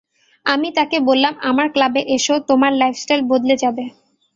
আমি তাকে বললাম আমার ক্লাবে এসো, তোমার লাইফস্টাইল বদলে যাবে।